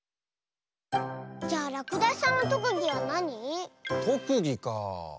じゃあらくだしさんのとくぎはなに？とくぎかあ。